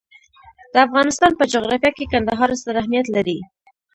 د افغانستان په جغرافیه کې کندهار ستر اهمیت لري.